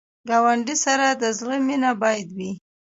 ګاونډي سره د زړه مینه باید وي